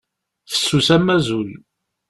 Fessus am azul.